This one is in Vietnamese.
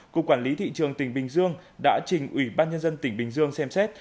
cục quản lý thị trường tỉnh bình dương đã trình ủy ban nhân dân tỉnh bình dương xem xét